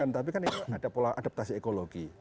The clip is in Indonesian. tapi kan itu ada pola adaptasi ekologi